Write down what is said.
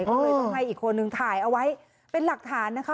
ก็เลยต้องให้อีกคนนึงถ่ายเอาไว้เป็นหลักฐานนะคะ